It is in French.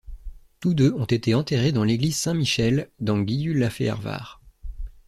Tous deux ont été enterrés dans l'église Saint-Michel dans Gyulafehervar.